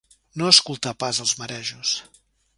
No escoltà pas els marejos.